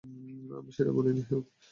আমি সেটা বলিনি, হুইপ।